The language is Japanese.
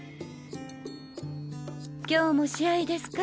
今日も試合ですか？